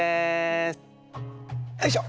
よいしょ。